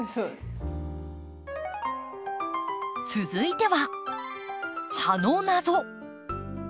続いては葉の謎。